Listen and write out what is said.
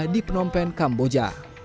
di penompen kamboja